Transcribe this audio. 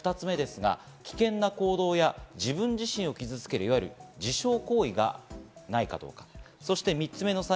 ２つ目ですが、危険な行動や自分自身を傷つける、いわゆる自傷行為がないかどうか。